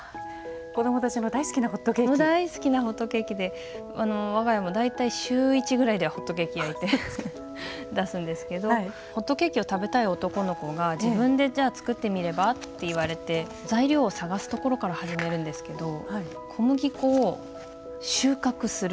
大好きなホットケーキで我が家も大体週１ぐらいでホットケーキ焼いて出すんですけどホットケーキを食べたい男の子が「自分でじゃあ作ってみれば」って言われて材料を探すところから始めるんですけど小麦粉を収穫する。